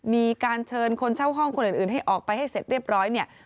มีการเชิญคนเช่าห้องคนอื่นให้ออกไปให้เสร็จเรียบร้อยเนี่ย